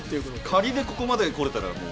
仮がここまで来れたら、もう。